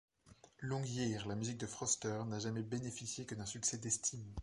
Longyear, la musique de Förster n’a jamais bénéficié que d’un succès d’estime.